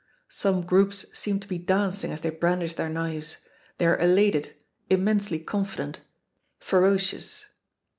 Some groups seem to be dancing as they brandish their knives. They are elated, immensely confident, ferocious.